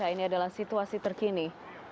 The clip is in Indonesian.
ini adalah gambar terkini